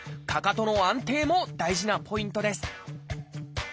かかとの安定も大事なポイントです